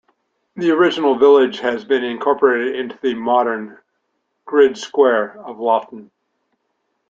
The original village has now been incorporated into the modern 'grid square' of Loughton.